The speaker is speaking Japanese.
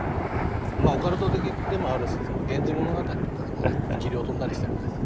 オカルト的でもあるし「源氏物語」とかでもね生き霊飛んだりしてるじゃないですか。